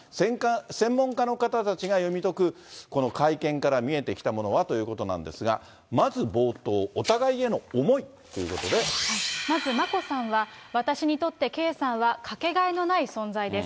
専門家の方たちが読み解く、この会見から見えてきたものはということなんですが、まず冒頭、まず、眞子さんは、私にとって圭さんはかけがえのない存在です。